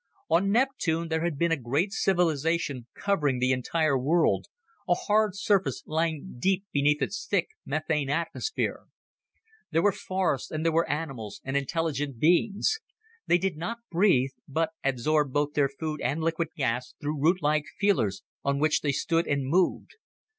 On Neptune there had been a great civilization covering the entire world, a hard surface lying deep beneath its thick methane atmosphere. There were forests and there were animals and intelligent beings. They did not breathe, but absorbed both their food and liquid gas through rootlike feelers on which they stood and moved.